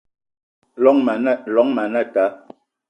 Llong ma anata